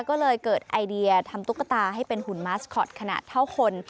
ก็เลยเกิดไอเดียทำตุ๊กตาให้เป็นหุ่นมาสคอตขนาดเท่าคน